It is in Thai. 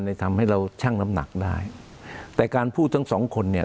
ทำให้เราชั่งน้ำหนักได้แต่การพูดทั้งสองคนเนี่ย